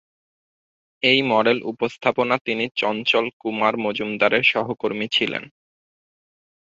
এই মডেল উপস্থাপনা তিনি চঞ্চল কুমার মজুমদারের সহকর্মী ছিলেন।